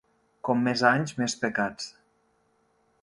Com més anys, més pecats.